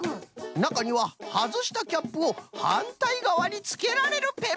なかにははずしたキャップをはんたいがわにつけられるペンもあるぞい。